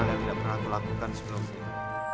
hal yang tidak pernah aku lakukan sebelum ini